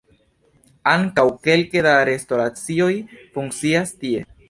Ankaŭ kelke da restoracioj funkcias tie.